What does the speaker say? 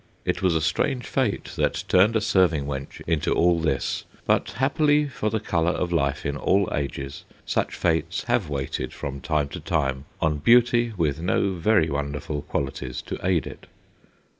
It was a strange fate that turned a serving wench into all this, but happily for the colour of life in all ages such fates have waited from time to time on beauty with no very wonderful qualities to aid it.